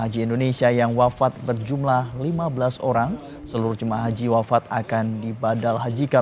haji indonesia yang wafat berjumlah lima belas orang seluruh jemaah haji wafat akan dibadal hajikan